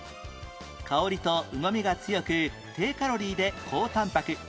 香りとうまみが強く低カロリーで高タンパク